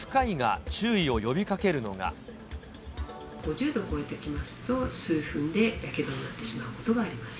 ５０度を超えてきますと、数分でやけどになってしまうことがあります。